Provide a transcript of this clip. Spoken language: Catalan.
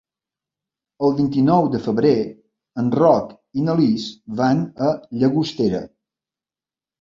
El vint-i-nou de febrer en Roc i na Lis van a Llagostera.